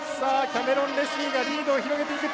キャメロン・レスリーがリードを広げていく。